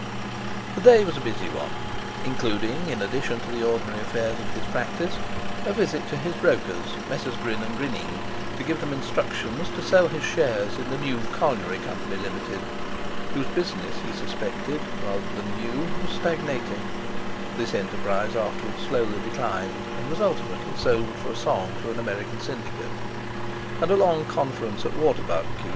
The day was a busy one, including, in addition to the ordinary affairs of his practice, a visit to his brokers, Messrs. Grin and Grinning, to give them instructions to sell his shares in the New Colliery Co., Ltd., whose business he suspected, rather than knew, was stagnating (this enterprise afterwards slowly declined, and was ultimately sold for a song to an American syndicate); and a long conference at Waterbuck, Q.C.